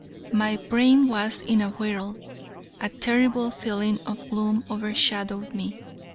My brain was in a whirl. A terrible feeling of gloom over shadowed me.